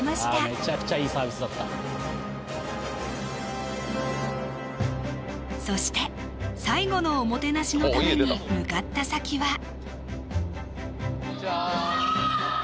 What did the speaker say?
めちゃくちゃいいサービスだったそして最後のおもてなしのために向かった先はこんにちはおぉ！